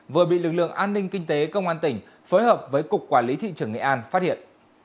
vừa bị lực lượng an ninh kinh tế công an tỉnh phối hợp với cục quản lý thị trường nghệ an phát hiện